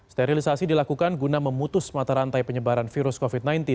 sterilisasi dilakukan guna memutus mata rantai penyebaran virus covid sembilan belas